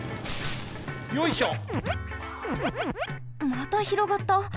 またひろがった。